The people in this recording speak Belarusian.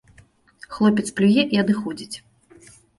Хлопец плюе і адыходзіць.